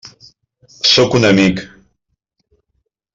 Sóc un amic.